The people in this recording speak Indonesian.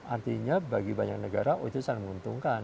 artinya bagi banyak negara itu sangat menguntungkan